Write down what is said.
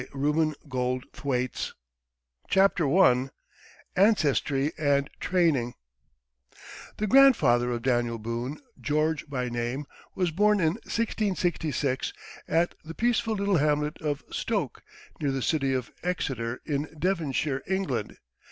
240 DANIEL BOONE CHAPTER I ANCESTRY AND TRAINING The grandfather of Daniel Boone George by name was born in 1666 at the peaceful little hamlet of Stoak, near the city of Exeter, in Devonshire, England.